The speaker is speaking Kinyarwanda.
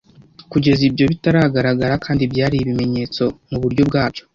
Kugeza ibyo bitagaragara kandi byakira ibimenyetso muburyo bwabyo.